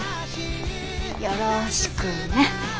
よろしくね。